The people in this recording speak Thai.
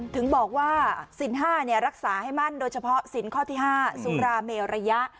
ถึงบอกว่าสิน๕รักษาให้มั่นโดยเฉพาะสินข้อที่๕สุราเมระยะ